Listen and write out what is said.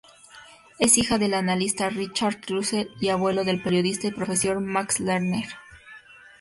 Es hija del analista Richard Russell, y abuelo del periodista y profesor Max Lerner.